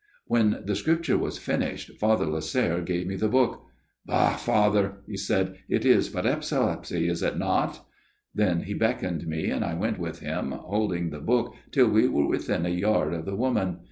"When the Scripture was finished, Father Lasserre gave me the book. "'Bah! Father!' he said. * It is but epilepsy, is it not ?'" Then he beckoned me, and I went with him holding the book till we were within a yard of the woman.